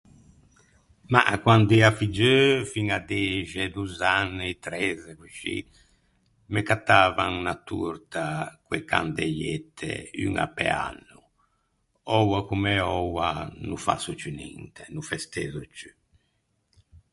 Mah, quand’ea figgeu, fin à dexe, dozz’anni, trezze, coscì, me cattavan unna torta co-e candeiette, uña pe anno. Oua comme oua, no fasso ciù ninte, no festezzo ciù.